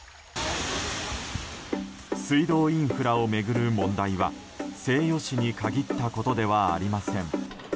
水道インフラを巡る問題は西予市に限ったことではありません。